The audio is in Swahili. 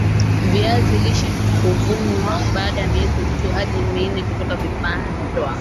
viazi lishe huvunwa baada ya miezi mitatu hadi minne toka vimepandwa